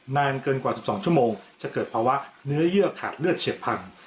นานเกินกว่า๑๒ชั่วโมงจะเกิดภาวะเนื้อเยื่อขาดเลือดเฉียบพัง